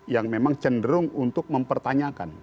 yang memang cenderung untuk mempertanyakan